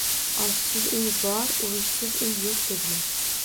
“Oshsiz uy bor, urishsiz uy yo’q” deydilar.